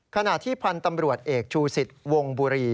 ขณะที่พันธุ์ตำรวจเอกชูสิทธิ์วงบุรี